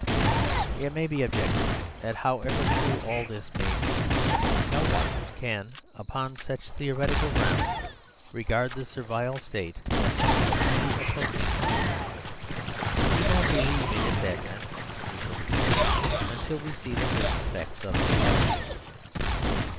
It may be objected that however true all this may be, no one can, upon such theoretical grounds, regard the Servile State as something really approaching 144 MAKING FOR SERVILE STATE us. We need not believe in its advent (we shall be told) until we see the first effects of its action.